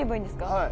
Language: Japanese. はい。